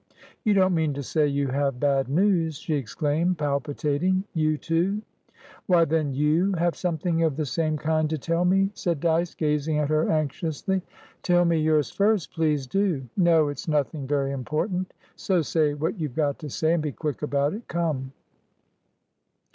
"You don't mean to say you have bad news?" she exclaimed, palpitating. "You, too?" "Why, then you have something of the same kind to tell me?" said Dyce, gazing at her anxiously. "Tell me your's firstplease do!" "No. It's nothing very important. So say what you've got to say, and be quick about itcome!"